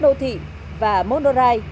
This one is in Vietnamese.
đô thị và monorail